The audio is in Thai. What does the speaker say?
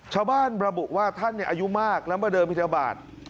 ชาวบ้านระบุว่าท่านอายุมากแล้วมาเดินพิทบาท